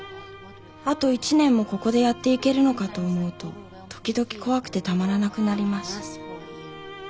あと１年もここでやっていけるのかと思うと時々怖くてたまらなくなります」。